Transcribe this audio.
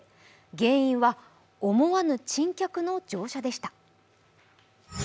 原因は、思わぬ珍客の乗車でした。